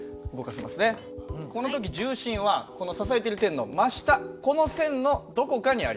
この時重心はこの支えてる点の真下この線のどこかにあります。